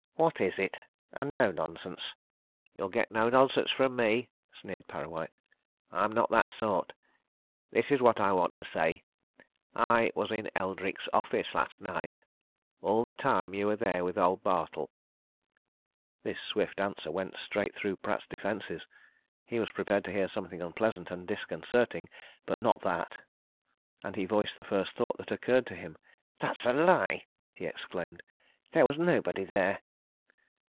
"What is it? And no nonsense!" "You'll get no nonsense from me," sneered Parrawhite. "I'm not that sort. This is what I want to say. I was in Eldrick's office last night all the time you were there with old Bartle." This swift answer went straight through Pratt's defences. He was prepared to hear something unpleasant and disconcerting, but not that. And he voiced the first thought that occurred to him. "That's a lie!" he exclaimed. "There was nobody there!"